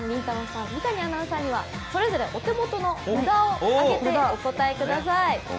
さん三谷アナウンサーにはそれぞれお手元の札を上げてお答えください。